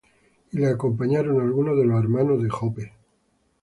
y le acompañaron algunos de los hermanos de Joppe.